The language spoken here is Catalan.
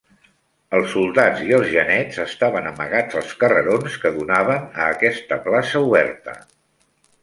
Els soldats i els genets estaven amagats als carrerons que donaven a aquesta plaça oberta.